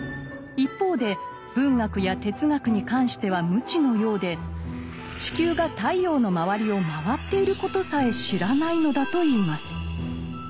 一方で文学や哲学に関しては無知のようで地球が太陽の周りを回っていることさえ知らないのだといいます。